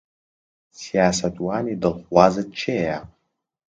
سیاسەتوانی دڵخوازت کێیە؟